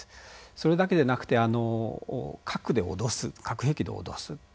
それだけでなくてあの核で脅す核兵器で脅す。